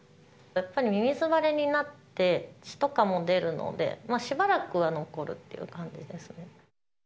やっぱりミミズ腫れになって、血とかも出るので、しばらくは残るっていう感じですね。